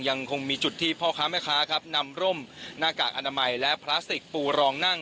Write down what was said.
ยังคงมีจุดที่พ่อค้าแม่ค้าครับนำร่มหน้ากากอนามัยและพลาสติกปูรองนั่ง